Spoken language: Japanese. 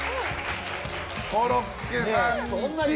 コロッケさん、１位！